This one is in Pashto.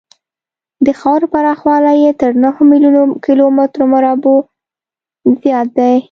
د خاورې پراخوالی یې تر نهو میلیونو کیلومترو مربعو زیات دی.